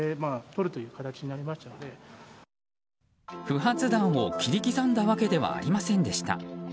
不発弾を切り刻んだわけではありませんでした。